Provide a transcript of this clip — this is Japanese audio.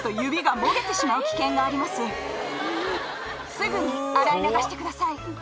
すぐに洗い流してください。